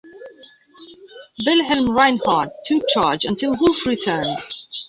Wilhelm Reinhard took charge until Wolff returned.